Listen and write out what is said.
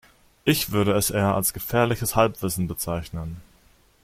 Ich würde es eher als gefährliches Halbwissen bezeichnen.